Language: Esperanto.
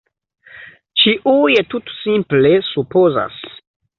Ĉiuj tutsimple supozas.